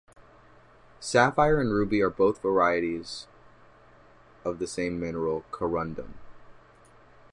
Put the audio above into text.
Sapphire and ruby are both varieties of the same mineral; corundum.